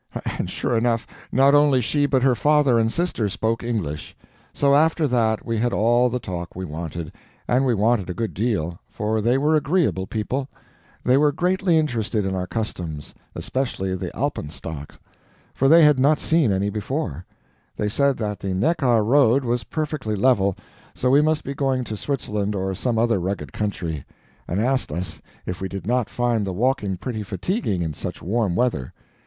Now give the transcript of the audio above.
And sure enough, not only she but her father and sister spoke English. So after that we had all the talk we wanted; and we wanted a good deal, for they were agreeable people. They were greatly interested in our customs; especially the alpenstocks, for they had not seen any before. They said that the Neckar road was perfectly level, so we must be going to Switzerland or some other rugged country; and asked us if we did not find the walking pretty fatiguing in such warm weather.